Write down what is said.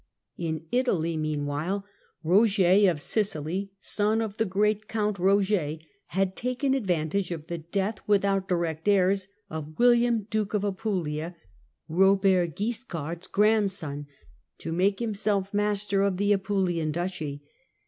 In Italy, meanwhile, Koger of Sicily, son of the great Roger of Count Eoger, had taken advantage of the death without ^^^^ direct heirs of William Duke of Apulia, Robert Guiscard's grandson (see Table IV.), to make himself master of the Apulian duchy.